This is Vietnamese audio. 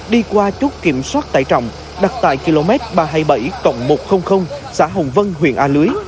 đi qua chốt kiểm soát tải trọng đặt tại km ba trăm hai mươi bảy một trăm linh xã hồng vân huyện a lưới